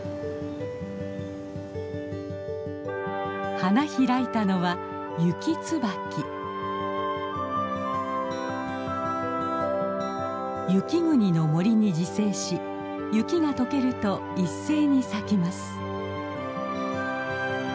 花開いたのは雪国の森に自生し雪が解けると一斉に咲きます。